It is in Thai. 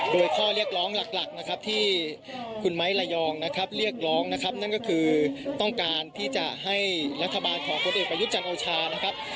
โดยข้อเรียกร้องหลักนะครับที่คุณไม้ระยองนะครับเรียกร้องนะครับนั่นก็คือต้องการที่จะให้รัฐบาลของคนเอกประยุทธ์จันทร์โอชานะครับ